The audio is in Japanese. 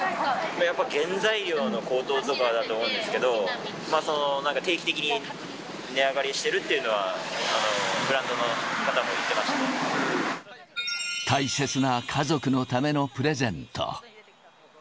やっぱ原材料の高騰とかだと思うんですけど、なんか定期的に値上がりしてるっていうのは、ブラン大切な家族のためのプレゼント。